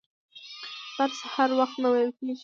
درس هر وخت نه ویل کیږي.